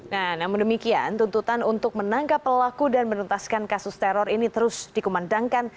nah namun demikian tuntutan untuk menangkap pelaku dan menuntaskan kasus teror ini terus dikumandangkan